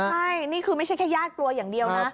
ใช่นี่คือไม่ใช่แค่ญาติกลัวอย่างเดียวนะ